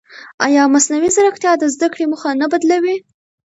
ایا مصنوعي ځیرکتیا د زده کړې موخه نه بدلوي؟